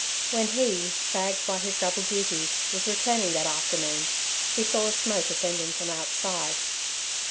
When he, fagged by his double duties, was returning that afternoon, he saw smoke ascending from outside.